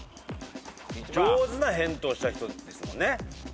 上手な返答した人ですもんね？